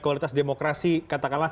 kualitas demokrasi katakanlah